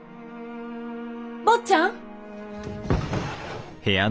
坊ちゃん！